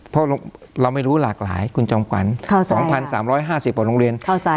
เพราะเราไม่รู้หลากหลายคุณจำกวันเข้าใจสองพันสามร้อยห้าสิบออกโรงเรียนเข้าใจ